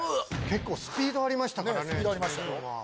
結構スピードありましたから知念君。